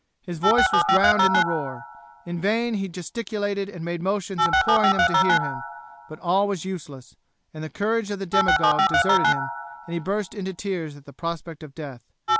His voice was drowned in the roar. In vain he gesticulated and made motions imploring them to hear him, but all was useless, and the courage of the demagogue deserted him and he burst into tears at the prospect of death.